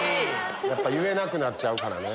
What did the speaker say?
言えなくなっちゃうからね。